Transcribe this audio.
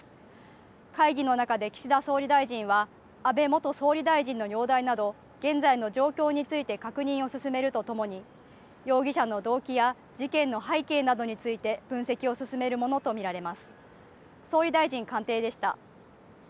会議の中で岸田総理大臣は安倍元総理大臣の容体など現在の状況について確認を進めるとともに容疑者の動機や事件の背景などについて分析を進めるものと見られます。